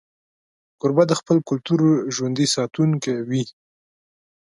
کوربه د خپل کلتور ژوندي ساتونکی وي.